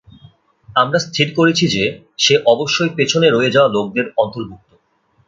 আমরা স্থির করেছি যে, সে অবশ্যই পেছনে রয়ে যাওয়া লোকদের অন্তর্ভুক্ত।